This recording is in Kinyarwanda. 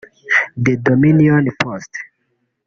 The Dominion Post